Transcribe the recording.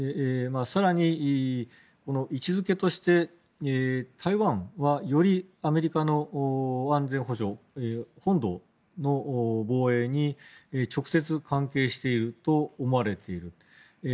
更に、この位置付けとして台湾はより、アメリカの安全保障本土の防衛に直接関係していると思われている。